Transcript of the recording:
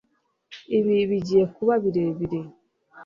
Ibi bigiye kuba birebire